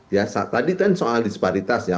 ya tadi kan soal disparitas ya